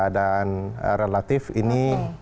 dan relatif ini